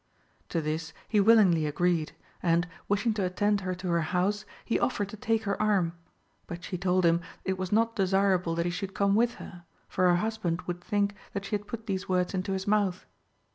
To this he willingly agreed, and, wishing to attend her to her house, he offered to take her arm; but she told him it was not desirable that he should come with her, for her husband would think that she had put these words into his mouth.